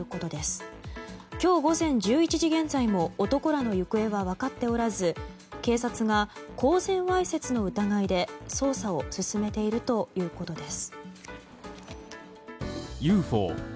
２５日午前１１時現在も男らの行方は分かっておらず警察が公然わいせつの疑いで捜査を進めているということです。